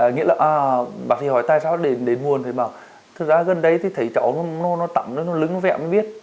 nghĩa là bác sĩ hỏi tại sao để buồn thì bảo thật ra gần đây thì thấy cháu nó tẩm nó lứng nó vẹo mới biết